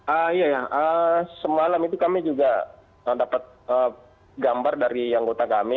iya semalam itu kami juga dapat gambar dari anggota kami